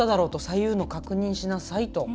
「左右の確認しなさい」と。